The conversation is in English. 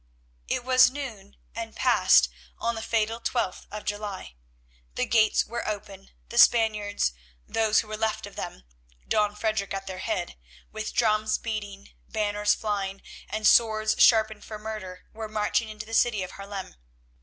It was noon and past on the fatal twelfth of July. The gates were open, the Spaniards, those who were left alive of them, Don Frederic at their head, with drums beating, banners flying, and swords sharpened for murder, were marching into the city of Haarlem.